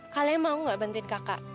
kalian mau gak bantuin kakak